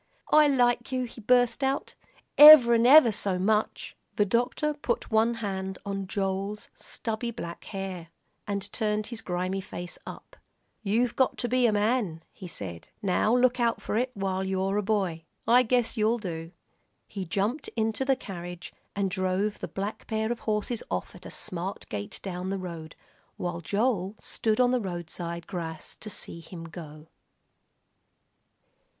"I like you," he burst out, "ever'n ever so much." The doctor put one hand on Joel's stubby black hair, and turned his grimy face up. "You've got to be a man," he said; "now look out for it while you're a boy. I guess you'll do." He jumped into the carriage and drove the black pair of horses off at a smart gait down the road, while Joel stood on the roadside grass to see him go.